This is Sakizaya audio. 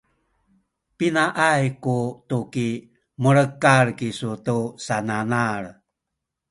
pinaay ku tuki mulekal kisu tu sananal?